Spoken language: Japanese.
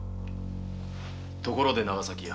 ところで長崎屋。